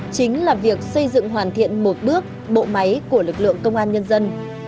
chính là việc xây dựng hoàn thiện một bước bộ máy của lực lượng công an nhân dân